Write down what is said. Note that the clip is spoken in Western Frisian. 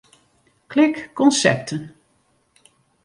Klik Konsepten.